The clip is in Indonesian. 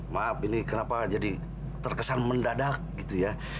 maaf ini kenapa jadi terkesan mendadak gitu ya